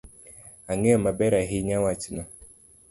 Ang'eyo maber ahinya wachno.